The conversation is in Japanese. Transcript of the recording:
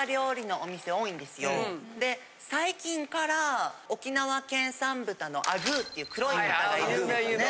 で最近から沖縄県産豚のアグーって黒い豚がいるんですよね。